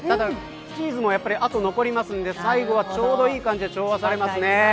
チーズも後に残るんで最後はちょうどいい感じで調和されます。